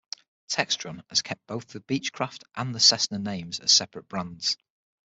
Textron has kept both the Beechcraft and Cessna names as separate brands.